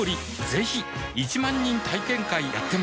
ぜひ１万人体験会やってます